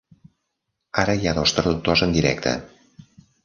Ara hi ha dos traductors en directe.